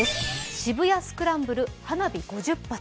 渋谷スクランブル、花火５０発。